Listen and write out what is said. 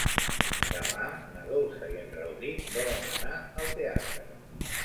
Demà na Dolça i en Rauric volen anar al teatre.